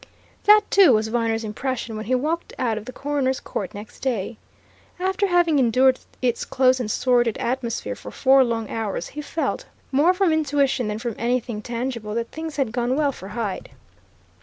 That, too, was Viner's impression when he walked out of the coroner's court next day. After having endured its close and sordid atmosphere for four long hours, he felt, more from intuition than from anything tangible, that things had gone well for Hyde.